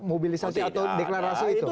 mobilisasi atau deklarasi itu